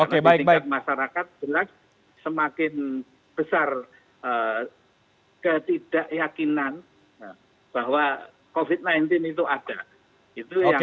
karena di tingkat masyarakat semakin besar ketidakyakinan bahwa covid sembilan belas itu ada